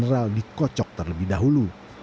mineral dikocok terlebih dahulu